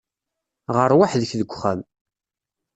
Ɣeṛ weḥd-k deg uxxam.